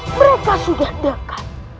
mereka sudah dekat